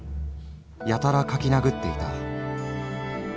やたら描きなぐっていた。